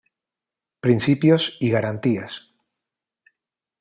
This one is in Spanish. Principios y Garantías.